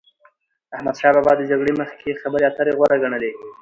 احمدشا بابا به د جګړی مخکي خبري اتري غوره ګڼلې.